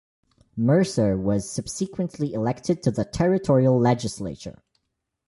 Mercer was subsequently elected to the Territorial Legislature.